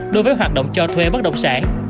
đối với hoạt động cho thuê bất đồng sản